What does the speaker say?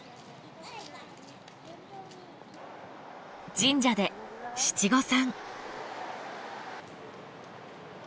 神社で七五三。